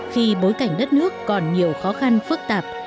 khi bối cảnh đất nước còn nhiều khó khăn phức tạp